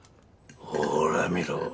ほら見ろ！